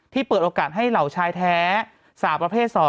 เปิดโอกาสให้เหล่าชายแท้สาวประเภท๒